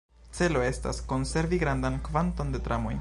Celo estas, konservi grandan kvanton de tramoj.